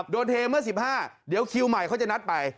เทเมื่อ๑๕เดี๋ยวคิวใหม่เขาจะนัดไป